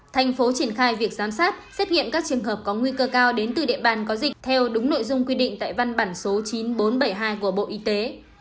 thành phố triển khai việc giám sát xét nghiệm các trường hợp có nguy cơ cao đến từ địa bàn có dịch theo đúng nội dung quy định tại văn bản số chín nghìn bốn trăm bảy mươi hai của bộ y tế